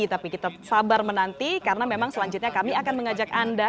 tapi kita sabar menanti karena memang selanjutnya kami akan mengajak anda